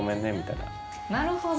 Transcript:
なるほど。